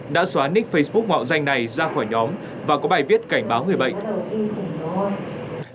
đã xóa nick facebook mạo danh này ra khỏi nhóm và có bài viết cảnh báo người bệnh